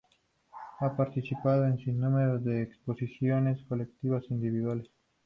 Ha participado en un sinnúmero de exposiciones colectivas e individuales.